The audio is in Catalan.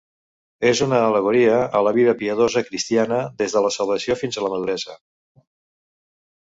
És una al·legoria a la vida piadosa cristiana des de la salvació fins la maduresa.